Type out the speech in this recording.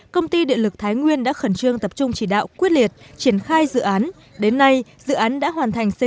công ty địa lực thái nguyên đã khẩn trương tập trung chỉ đạo quyết liệt triển khai dự án